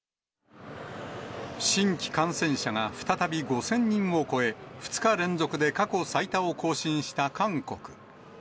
新規感染者が再び５０００人を超え、２日連続で過去最多を更新した韓国。